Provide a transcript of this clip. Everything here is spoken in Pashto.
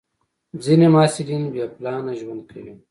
ځینې محصلین بې پلانه ژوند کوي.